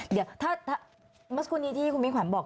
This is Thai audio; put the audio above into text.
เดี๋ยวถ้าเมื่อสักครู่นี้ที่คุณมิ่งขวัญบอก